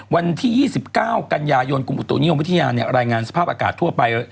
วันที่๒๙กันยายนกรมอุตุนิยมวิทยารายงานสภาพอากาศทั่วไป